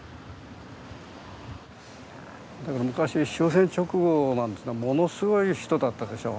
だから昔終戦直後なんていうのはものすごい人だったでしょ